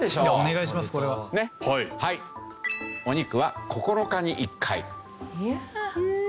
お肉は９日に１回。